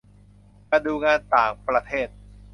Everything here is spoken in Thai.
การดูงานต่างประเทศ